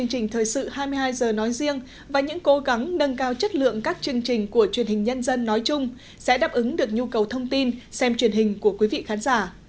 kính thưa quý vị khán giả hy vọng rằng những đổi mới trong chương trình thời sự hai mươi hai h nói riêng và những cố gắng nâng cao chất lượng các chương trình của truyền hình nhân dân nói chung sẽ đáp ứng được nhu cầu thông tin xem truyền hình của quý vị khán giả